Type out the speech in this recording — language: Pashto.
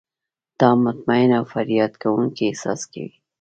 نا مطمئن او فریاد کوونکي احساس کوي.